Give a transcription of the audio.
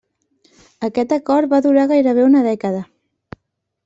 Aquest acord va durar gairebé una dècada.